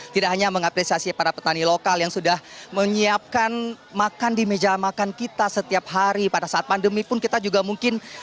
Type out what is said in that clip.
tidak hanya mengapresiasi para petani lokal yang sudah menyiapkan makan di meja makan kita setiap hari pada saat pandemi pun kita juga mungkin